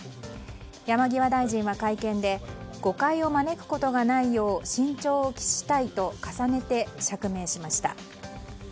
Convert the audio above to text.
山際大臣は会見で誤解を招くことがないよう慎重を期したいと重ねて釈明しました。